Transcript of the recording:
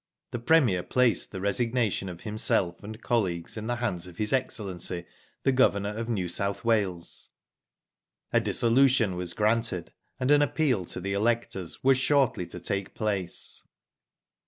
The Premier placed the resignation of himself and colleagues in the hands of His Excellency, the Governor of New South Wales, a dissolution was granted, and an appeal to the electors was shortly to take place.